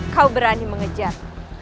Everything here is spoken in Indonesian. kau berani mengejar